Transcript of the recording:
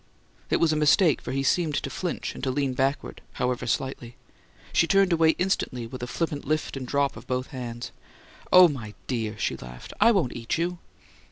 It was a mistake, for he seemed to flinch, and to lean backward, however, slightly. She turned away instantly, with a flippant lift and drop of both hands. "Oh, my dear!" she laughed. "I won't eat you!"